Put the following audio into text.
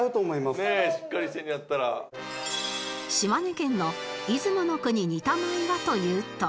島根県の出雲國仁多米はというと